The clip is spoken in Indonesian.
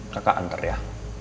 kakak antar ya